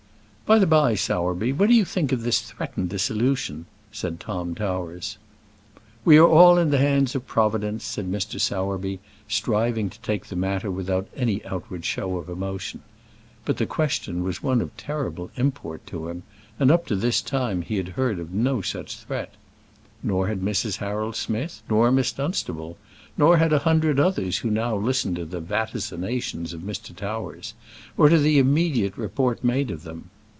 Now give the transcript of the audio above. "By the by, Sowerby, what do you think of this threatened dissolution?" said Tom Towers. "We are all in the hands of Providence," said Mr. Sowerby, striving to take the matter without any outward show of emotion. But the question was one of terrible import to him, and up to this time he had heard of no such threat. Nor had Mrs. Harold Smith, nor Miss Dunstable, nor had a hundred others who now either listened to the vaticinations of Mr. Towers, or to the immediate report made of them.